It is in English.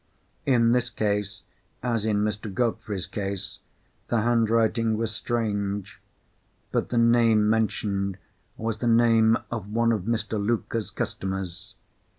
In this case, as in Mr. Godfrey's case, the handwriting was strange; but the name mentioned was the name of one of Mr. Luker's customers.